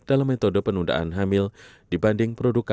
dalam metode penundaan hamil dibanding perusahaan